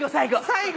最後？